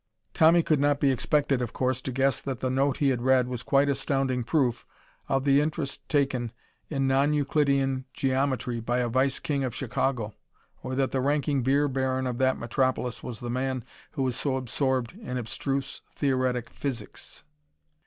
Tommy could not be expected, of course, to guess that the note he had read was quite astounding proof of the interest taken in non Euclidean geometry by a vice king of Chicago, or that the ranking beer baron of that metropolis was the man who was so absorbed in abstruse theoretic physics.